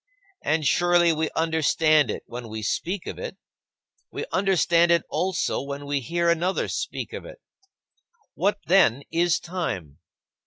And surely we understand it when we speak of it; we understand it also when we hear another speak of it. What, then, is time?